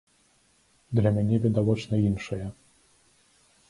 Для мяне відавочна іншае.